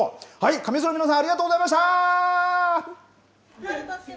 神栖市の皆さんありがとうございました。